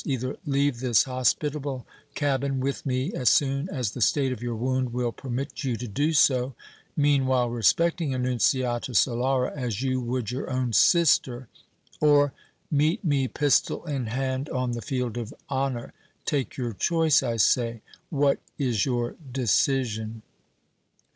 Either leave this hospitable cabin with me as soon as the state of your wound will permit you to do so, meanwhile respecting Annunziata Solara as you would your own sister, or meet me pistol in hand on the field of honor! Take your choice, I say! What is your decision?"